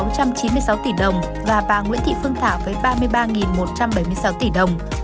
có ba mươi ba sáu trăm chín mươi sáu tỷ đồng và bà nguyễn thị phương thảo với ba mươi ba một trăm bảy mươi sáu tỷ đồng